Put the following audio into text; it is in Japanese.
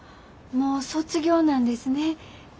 もう卒業なんですね。